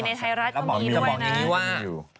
นาศิษฐีในไทยราชมันมีด้วยนะมีที่นี่ว่า